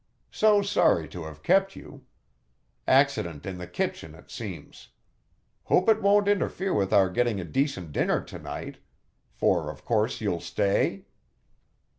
So sorry to have kept you. Accident in the kitchen, it seems. Hope it won't interfere with our getting a decent dinner to night, for of course you'll stay?"